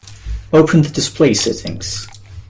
Open the display settings.